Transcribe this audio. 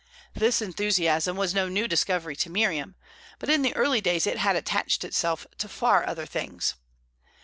This enthusiasm was no new discovery to Miriam, but in the early days it had attached itself to far other things.